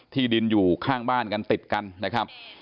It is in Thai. ที่ดินอยู่ข้างบ้านกันติดกันนะครับ